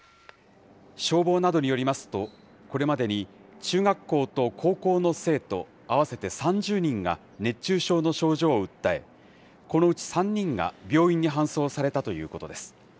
消防などによりますと、これまでに中学校と高校の生徒合わせて３０人が、熱中症の症状を訴え、このうち３人が病院に搬送されたということです。